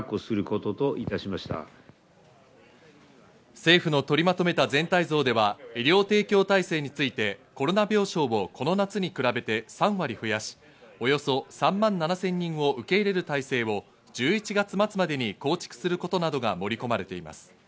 政府の取りまとめた全体像では、医療提供体制についてコロナ病床をこの夏に比べて３割増やし、およそ３万７０００人を受け入れる体制を１１月末までに構築することなどが盛り込まれています。